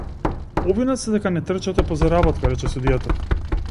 Обвинет сте дека не трчате по заработка, рече судијата.